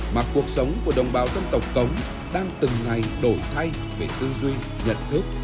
mà cuộc sống của đồng bào dân tộc cống đang từng ngày đổi thay về tư duy nhận thức